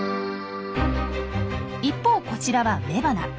一方こちらは雌花。